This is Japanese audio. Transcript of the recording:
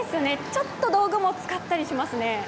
ちょっと道具も使ったりしますね。